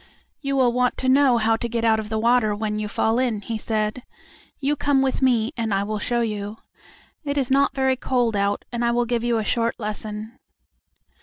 "You will want to know how to get out of the water when you fall in," he said. "You come with me, and I will show you. It is not very cold out, and I will give you a short lesson."